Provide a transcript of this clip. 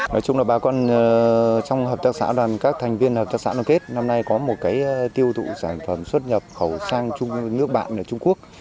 nói chung là bà con trong hợp tác xã đoàn các thành viên hợp tác xã đoàn kết năm nay có một tiêu thụ sản phẩm xuất nhập khẩu sang nước bạn ở trung quốc